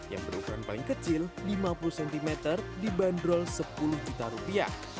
yang berukuran paling kecil lima puluh cm dibanderol sepuluh juta rupiah